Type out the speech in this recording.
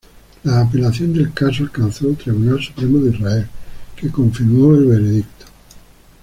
La apelación del caso alcanzó el Tribunal Supremo de Israel, que confirmó el veredicto.